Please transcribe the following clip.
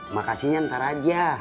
makasihnya ntar aja